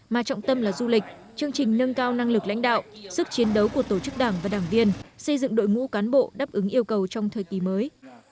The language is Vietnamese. mà trọng tâm là du lịch chương trình nâng cao năng lực lãnh đạo sức chiến đấu của tổ chức đảng và đảng viên xây dựng đội ngũ cán bộ đáp ứng yêu cầu trong thời kỳ mới